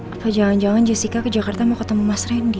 apa jangan jangan jessica ke jakarta mau ketemu mas randy